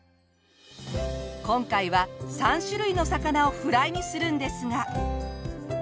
今回は３種類の魚をフライにするんですが。